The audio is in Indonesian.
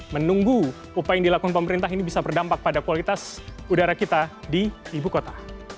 menunggu upaya yang dilakukan pemerintah ini bisa berdampak pada kualitas udara kita di ibu kota